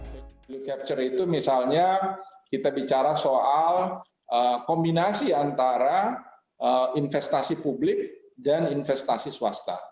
value capture itu misalnya kita bicara soal kombinasi antara investasi publik dan investasi swasta